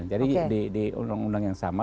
jadi di undang undang yang sama